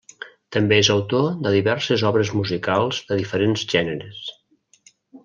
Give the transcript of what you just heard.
També és autor de diverses obres musicals de diferents gèneres.